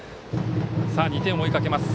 ２点を追いかけます